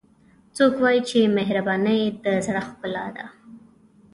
څوک وایي چې مهربانۍ د زړه ښکلا ده